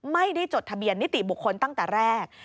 ไม่ได้จดทะเบียนนิติบุคคลตั้งแต่แรก